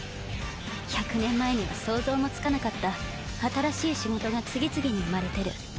１００年前には想像もつかなかった新しい仕事が次々に生まれてる。